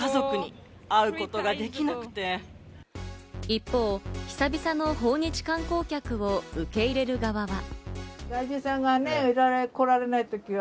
一方、久々の訪日観光客を受け入れる側は。